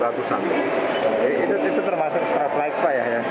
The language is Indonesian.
itu termasuk setelah flight pak ya